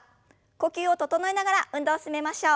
呼吸を整えながら運動を進めましょう。